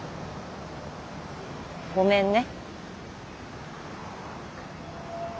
ごめんね。